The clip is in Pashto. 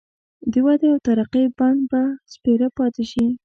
د ودې او ترقۍ بڼ به سپېره پاتي شي.